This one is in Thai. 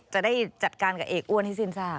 จะได้จัดการกับเอกอ้วนให้สิ้นซาก